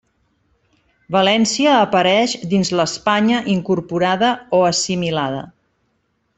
València apareix dins l'«Espanya incorporada o assimilada».